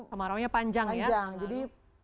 kemarau nya panjang ya panjang jadi